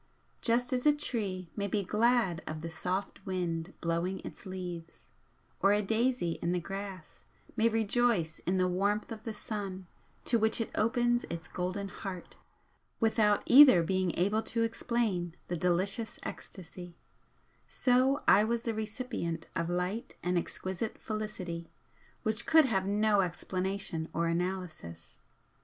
Just as a tree may be glad of the soft wind blowing its leaves, or a daisy in the grass may rejoice in the warmth of the sun to which it opens its golden heart without either being able to explain the delicious ecstasy, so I was the recipient of light and exquisite felicity which could have no explanation or analysis.